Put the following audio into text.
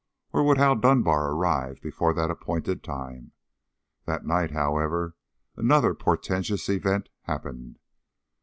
Or would Hal Dunbar arrive before that appointed time? That night, however, another portentous event happened.